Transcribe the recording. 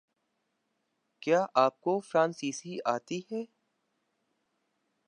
کیا اپ کو فرانسیسی آتی ہے؟